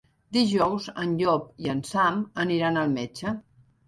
Dijous en Llop i en Sam aniran al metge.